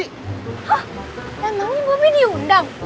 hah yang nangis bobby diundang